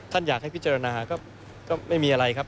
อยากให้พิจารณาก็ไม่มีอะไรครับ